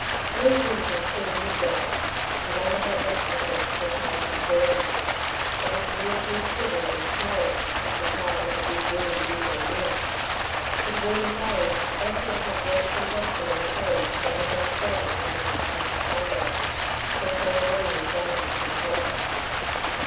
All gins are skilled midwives, and under her auspices the child was born. It was weirdly shrivelled and small, as the child of a big womb usually is. With Woona's aid Ursula had washed and dressed it in the clothes that had done service for all Mrs. Stein's family—her sole wedding endowment to her daughter.